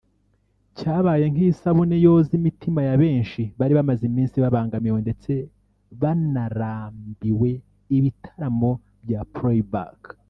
cyabaye nk’isabune yoza imitima ya benshi bari bamaze iminsi babangamiwe ndetse baranarambiwe ibitaramo bya playback